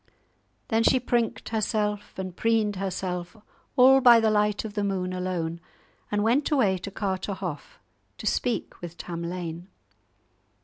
'" Then she prinked herself, and preened herself, all by the light of the moon alone, and went away to Carterhaugh, to speak with Tamlane.